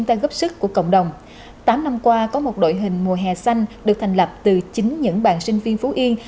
tám năm qua có một đội hình mùa hè xanh được thành lập từ chính những bạn sinh viên phú yên